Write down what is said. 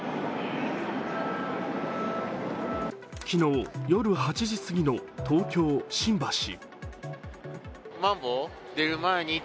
昨日夜８時過ぎの東京・新橋。